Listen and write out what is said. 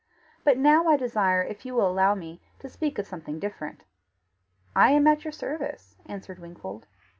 But now I desire, if you will allow me, to speak of something different." "I am at your service," answered Wingfold.